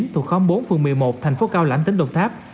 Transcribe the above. thuộc khóm bốn phường một mươi một thành phố cao lãnh tỉnh đồng tháp